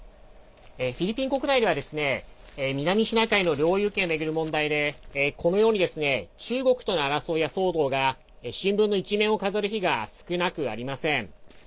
フィリピン国内では南シナ海の領有権を巡る問題で中国との争いや騒動が新聞の１面を飾る日が少なくありません。